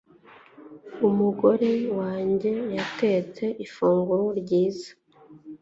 Umugore wanjye yatetse ifunguro ryiza.